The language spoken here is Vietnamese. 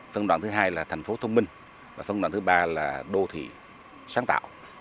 phong đoạn thứ hai là thành phố thông minh và phong đoạn thứ ba là đô thị sáng tạo